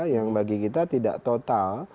yang bagi kita tidak total